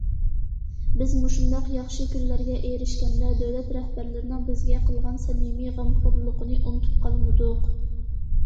بىز مۇشۇنداق ياخشى كۈنلەرگە ئېرىشكەندە، دۆلەت رەھبەرلىرىنىڭ بىزگە قىلغان سەمىمىي غەمخورلۇقىنى ئۇنتۇپ قالمىدۇق.